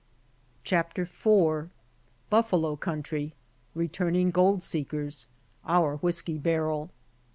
CHAPTER IV. BUFFALO COUNTRY — RETURNING GOLD SEEKERS OUR WHISKEY BARREL.